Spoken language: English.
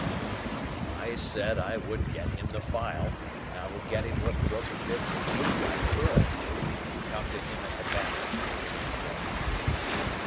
I said that I would get him the file, and I would get him what broken bits of food I could, and I would come to him at the Battery, early in the morning.